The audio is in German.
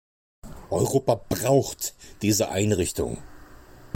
Europa braucht diese Einrichtung.